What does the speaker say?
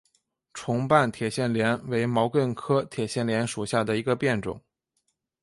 重瓣铁线莲为毛茛科铁线莲属下的一个变种。